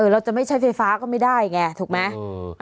เราจะไม่ใช้ไฟฟ้าก็ไม่ได้ไงถูกไหม